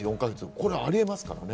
これ、ありえますからね。